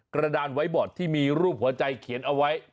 กระดานไว้บอร์ดที่มีรูปหัวใจเขียนเอาไว้